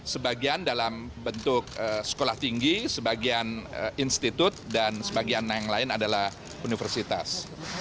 sebagian dalam bentuk sekolah tinggi sebagian institut dan sebagian yang lain adalah universitas